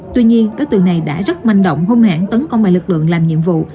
tuy nhiên đối tượng này đã rất manh động hôn hãng tấn công bài lực lượng làm nhiệm vụ